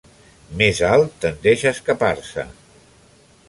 Més alt tendeix a escapar-se.